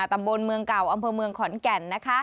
ตำบลเมืองเก่าอำเภอเมืองขอนแก่น